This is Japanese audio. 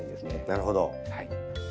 なるほど。